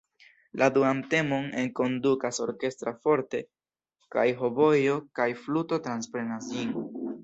La duan temon enkondukas orkestra "forte", kaj hobojo kaj fluto transprenas ĝin.